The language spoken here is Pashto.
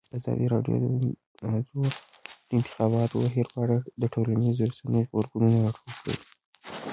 ازادي راډیو د د انتخاباتو بهیر په اړه د ټولنیزو رسنیو غبرګونونه راټول کړي.